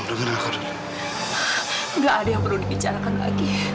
tidak ada yang perlu dibicarakan lagi